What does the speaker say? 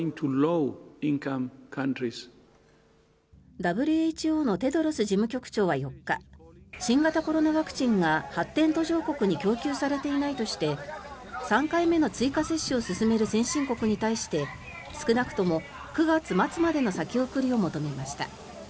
ＷＨＯのテドロス事務局長は４日新型コロナワクチンが発展途上国に供給されていないとして３回目の追加接種を進める先進国に対して少なくとも９月末までの先送りを求めました。